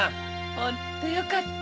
ホントよかった。